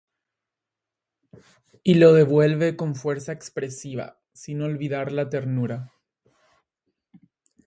Y lo devuelve con fuerza expresiva, sin olvidar la ternura.